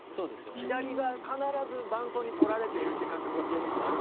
左が必ず伴奏に取られているって感覚がピアニストはあるから。